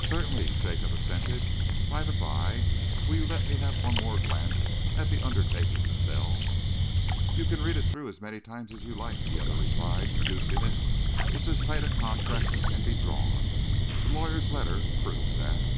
"Certainly," Jacob assented. "By the bye, will you let me have one more glance at the undertaking to sell?" "You can read it through as many times as you like," the other replied, producing it. "It's as tight a contract as can be drawn. The lawyer's letter proves that."